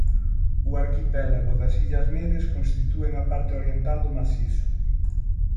O arquipélago das Illas Medes constitúen a parte oriental do macizo.